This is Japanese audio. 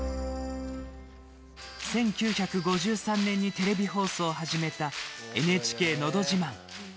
１９５３年にテレビ放送を始めた「ＮＨＫのど自慢」。